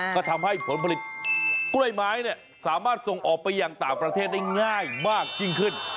ก็ทำให้ผลผลิตกล้วยไม้สามารถส่งออกไปอย่างต่างประเทศได้ง่ายมากยิ่งขึ้น